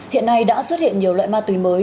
hiện nay đã xuất hiện nhiều loại ma túy mới